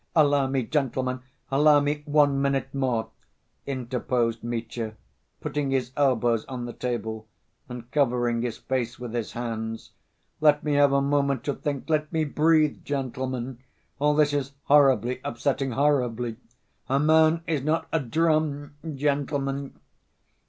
"Allow me, gentlemen, allow me one minute more," interposed Mitya, putting his elbows on the table and covering his face with his hands. "Let me have a moment to think, let me breathe, gentlemen. All this is horribly upsetting, horribly. A man is not a drum, gentlemen!"